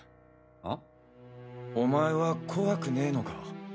あ？お前は怖くねえのか？